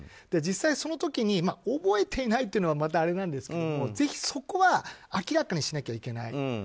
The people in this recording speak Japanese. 実際その時に覚えていないというのはまたあれなんですが、ぜひそこは明らかにしないといけない。